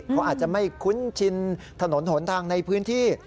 เขาอาจจะไม่คุ้นชินถนนหนทางในพื้นที่